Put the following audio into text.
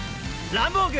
ランボーグ！